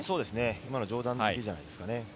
今の上段突きじゃないですかね。